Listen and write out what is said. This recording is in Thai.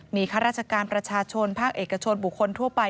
มีข้าราชการประชาชนภาคเอกชนบุคคลทั่วไป